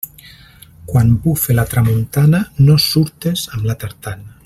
Quan bufe la tramuntana, no surtes amb la tartana.